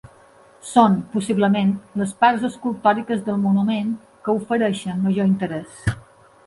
Són, possiblement, les parts escultòriques del monument que ofereixen major interès.